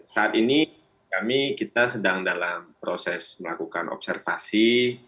saat ini kami kita sedang dalam proses melakukan observasi